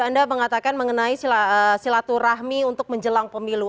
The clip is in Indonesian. anda mengatakan mengenai silaturahmi untuk menjelang pemilu